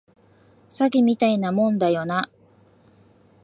詐欺みたいなもんだよな